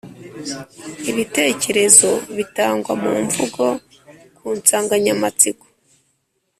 ibitekerezo bitangwa mu mvugo ku nsanganyamatsiko